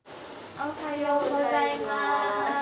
おはようございます。